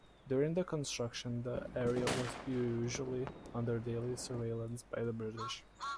During the construction, the area was usually under daily surveillance by the British.